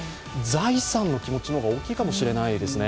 財産の気持ちの方が大きいかもしれないですね。